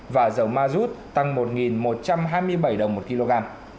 và dầu mazut tăng một một trăm hai mươi bảy đồng một kg